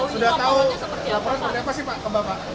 sudah tahu laporan dari apa sih pak